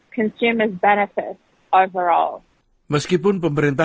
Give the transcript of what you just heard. meskipun pemerintah telah mencari jaringan